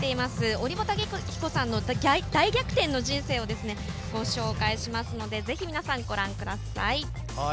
折茂武彦さんの大逆転の人生をご紹介しますのでぜひ皆さん、ご覧ください。